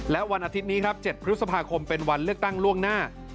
และวันอาทิตย์นี้ครับ๗พฤษภาคมเป็นวันเลือกตั้งล่วงหน้า